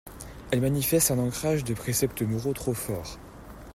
Elle manifeste un ancrage de préceptes moraux trop fort